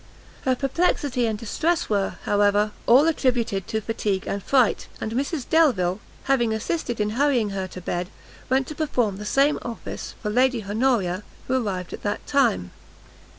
Her perplexity and distress were, however, all attributed to fatigue and fright; and Mrs Delvile, having assisted in hurrying her to bed, went to perform the same office for Lady Honoria, who arrived at that time.